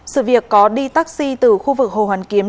sự việc có đi taxi từ khu vực hồ hoàn kiếm